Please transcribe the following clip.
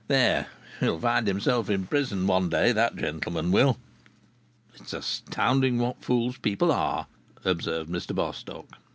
There! He'll find himself in prison one day, that gentleman will!" "It's astounding what fools people are!" observed Mr Bostock.